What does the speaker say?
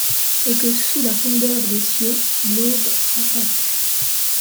Et que, sous la rondeur des cieux, l’aube apparue